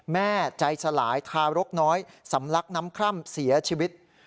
แม่ใจสลายทารกน้อยสำลักน้ำคร่ำเสียชีวิต